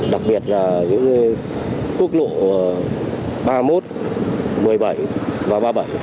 đặc biệt là những quốc lộ ba mươi một một mươi bảy và ba mươi bảy